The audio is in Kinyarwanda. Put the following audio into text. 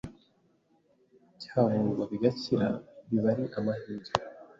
cyavurwa bigakira biba ari amahire